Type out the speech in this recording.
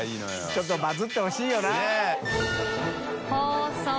ちょっとバズってほしいよな。